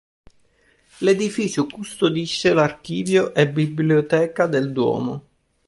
L'edificio custodisce l'archivio e biblioteca del duomo.